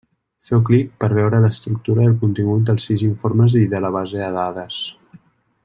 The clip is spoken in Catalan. Feu clic per veure l'estructura i el contingut dels sis informes i de la base de dades.